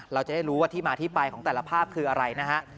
เราจะได้รู้ว่าที่มาที่ไปของแต่ละภาพคืออะไรนะฮะ